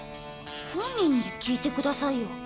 本人に聞いてくださいよ。